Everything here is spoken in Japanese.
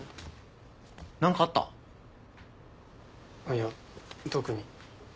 いや特に。